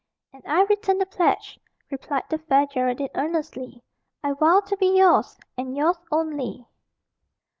"And I return the pledge," replied the Fair Geraldine earnestly. "I vow to be yours, and yours only."